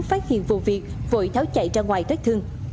phát hiện vụ việc vội tháo chạy ra ngoài thoát thương